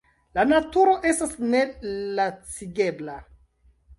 La naturo estas nelacigebla.